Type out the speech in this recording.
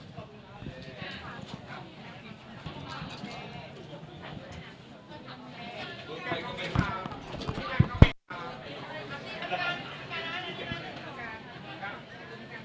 โปรดติดตามตอนต่อไป